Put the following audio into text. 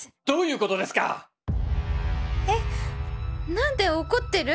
何で怒ってる？